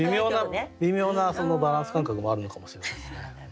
微妙なそのバランス感覚もあるのかもしれないですね。